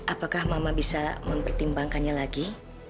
apakah mama bisa mempertimbangkannya lagi